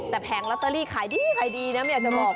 แต่แผงลอตเตอรี่ขายดีขายดีนะไม่อยากจะบอก